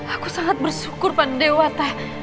aku sangat bersyukur pada dewata